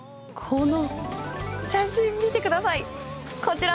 この写真見てください！